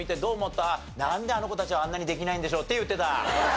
なんであの子たちはあんなにできないんでしょうって言ってた。